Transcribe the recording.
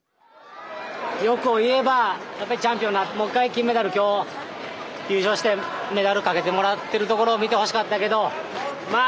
欲を言えばやっぱりチャンピオンなってもう一回金メダル今日優勝してメダルかけてもらってるところを見てほしかったけどま